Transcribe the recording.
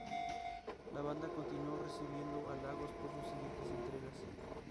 La banda continuó recibiendo halagos por sus siguientes entregas.